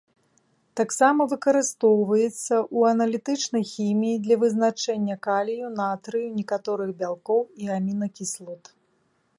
Таксама выкарыстоўваецца ў аналітычнай хіміі для вызначэння калію, натрыю, некаторых бялкоў і амінакіслот.